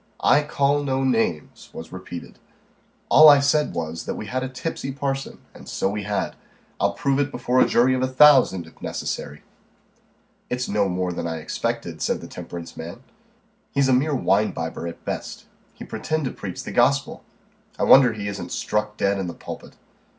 "I call no names," was repeated. "All I said was, that we had a tipsy parson and so we had. I'll prove it before a jury of a thousand, if necessary." "It's no more than I expected," said the temperance man. "He's a mere winebibber at best. He pretend to preach the gospel! I wonder he isn't struck dead in the pulpit."